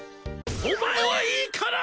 お前はいいから！